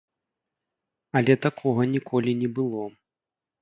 Але такога ніколі не было!